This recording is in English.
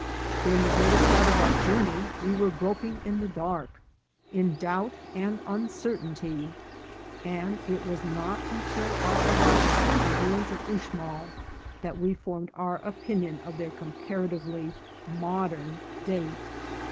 During the greater part of our journey we were groping in the dark, in doubt and un certainty, and it was not until our arrival at the ruins of Uxmal that we formed our opinion of their compara tively modern date.